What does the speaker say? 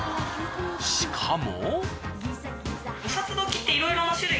しかも。